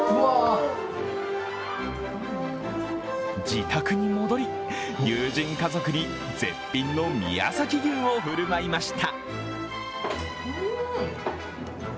自宅に戻り、友人家族に絶品の宮崎牛を振る舞いました。